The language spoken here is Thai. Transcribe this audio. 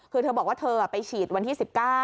คือเธอบอกว่าเธอไปฉีดวันที่๑๙